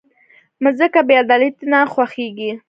مځکه بېعدالتۍ ته نه خوښېږي.